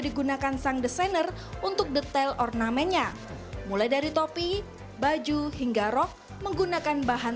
digunakan sang desainer untuk detail ornamennya mulai dari topi baju hingga roh menggunakan bahan